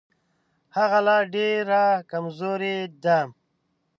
هغه لا ډېره کمزورې ده.